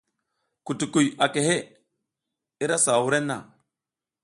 Kutukuy a kehe, i ra sawa wurenna.